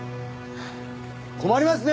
困りますね